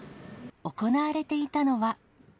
行われていたのは。